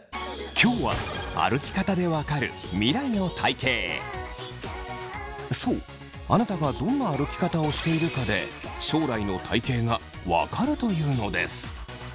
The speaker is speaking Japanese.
今日はそうあなたがどんな歩き方をしているかで将来の体型がわかるというのです。